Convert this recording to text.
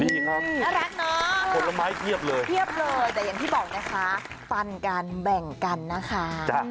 ดีครับน่ารักเนอะผลไม้เพียบเลยเพียบเลยแต่อย่างที่บอกนะคะฟันกันแบ่งกันนะคะ